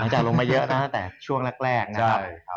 จะลงมาเยอะนะตั้งแต่ช่วงแรกนะครับ